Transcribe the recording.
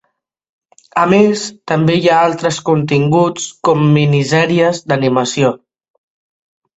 A més, també hi ha altres continguts com minisèries d'animació.